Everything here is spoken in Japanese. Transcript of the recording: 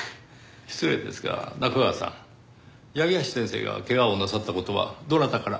失礼ですが中川さん八木橋先生が怪我をなさった事はどなたから？